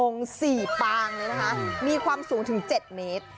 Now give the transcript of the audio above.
๔องค์๔ปางมีความสูงถึง๗เมตร